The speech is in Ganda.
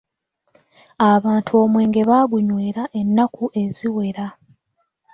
Abantu omwenge baagunywera ennaku eziwera.